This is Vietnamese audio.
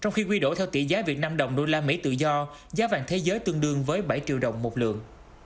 trong khi quy đổi theo tỷ giá việt nam usd tự do giá vàng thế giới tương đương với bảy triệu đồng một lượng